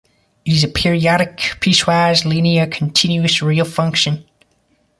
It is a periodic, piecewise linear, continuous real function.